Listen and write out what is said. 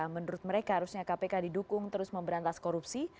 menurut mereka harusnya kpk didukung terus memberantas korupsi